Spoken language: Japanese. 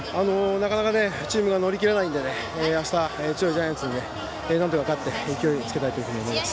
なかなかチームが乗り切れないので、あしたなんとか勝って勢いをつけたいと思います。